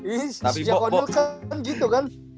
iih sejak golden state kan gitu kan